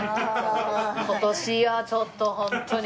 今年はちょっとホントに。